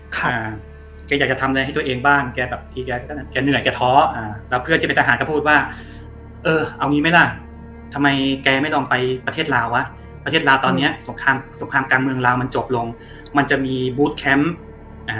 แกอยากจะทำอะไรให้ตัวเองบ้างแกแบบทีแกเหนื่อยแกท้ออ่าแล้วเพื่อนที่เป็นทหารก็พูดว่าเออเอางี้ไหมล่ะทำไมแกไม่ต้องไปประเทศลาวะประเทศลาวตอนเนี้ยสงครามสงครามกลางเมืองลาวมันจบลงมันจะมีบูธแคมป์นะฮะ